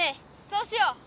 そうしよう！